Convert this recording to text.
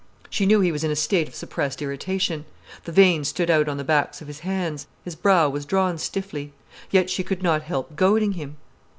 She knew he was in a state of suppressed irritation. The veins stood out on the backs of his hands, his brow was drawn stiffly. Yet she could not help goading him.